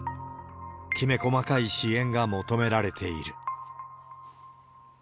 きめ細かい支援が求められている。